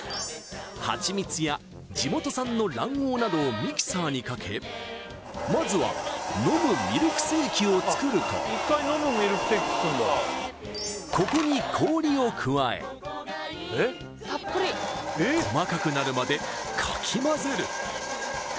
ハチミツや地元産の卵黄などをミキサーにかけまずは飲むミルクセーキを作るとここに細かくなるまでかき混ぜる